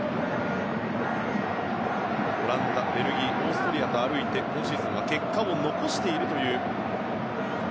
オランダ、ベルギーオーストリアと渡り歩いて今シーズンは結果を残しているという。